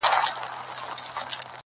بس ما هم پیدا کولای سی یارانو-